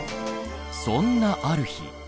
そんなある日。